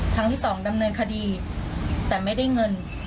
ครั้งที่สองดำเนินคดีแต่ไม่ได้เงิน